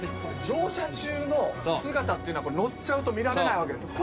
乗車中の姿っていうのは乗っちゃうと見られないわけですよ。